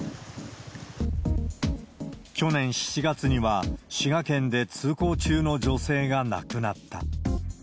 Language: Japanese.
去年７月には、滋賀県で通行中の女性が亡くなった。